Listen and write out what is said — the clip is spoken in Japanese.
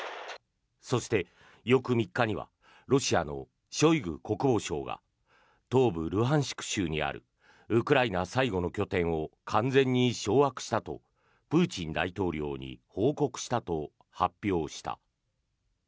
そして、翌３日にはロシアのショイグ国防相が東部ルハンシク州にあるウクライナ最後の拠点を完全に掌握したとプーチン大統領に報告したと発表した。